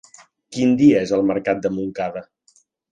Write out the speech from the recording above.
Quin dia és el mercat de Montcada?